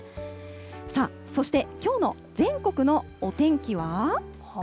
さあ、そしてきょうの全国のお天気は。